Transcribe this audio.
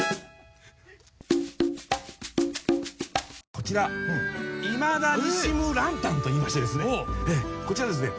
こちらいまだにしむランタンといいましてですねこちらですね